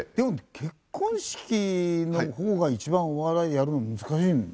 結婚式の方が一番お笑いやるの難しいんですよ。